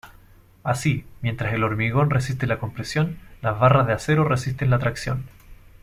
Así, mientras el hormigón resiste la compresión, las barras de acero resisten la tracción.